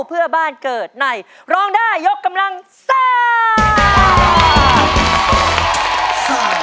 เพื่อบ้านเกิดในร้องได้ยกกำลังซ่า